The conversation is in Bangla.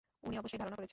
ওনি অবশ্যই ধারণা করেছে।